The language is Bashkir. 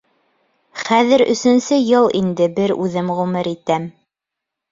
Хәҙер өсөнсө йыл инде, бер үҙем ғүмер итәм.